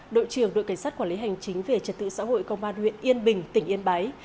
đội trưởng đội cảnh sát quản lý hành chính về trật tự xã hội công an huyện yên bình tỉnh yên bái